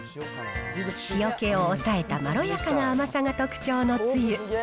塩気を抑えたまろやかな甘さが特徴のつゆ。